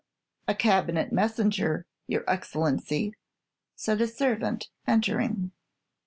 "A cabinet messenger, your Excellency," said a servant, entering.